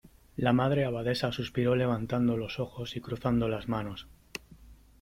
la Madre Abadesa suspiró levantando los ojos y cruzando las manos :